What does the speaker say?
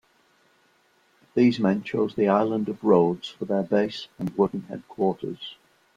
These men chose the island of Rhodes for their base and working headquarters.